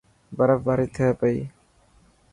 برف باري ٿي پئي.